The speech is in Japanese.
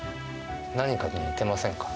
何かに似てませんか？